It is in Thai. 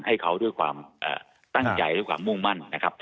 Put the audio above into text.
ให้เขาด้วยความตั้งใจด้วยความมุ่งมั่นนะครับ